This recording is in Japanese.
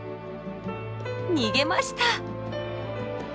逃げました！